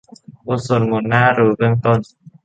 บทสวดมนต์น่ารู้เบื้องต้น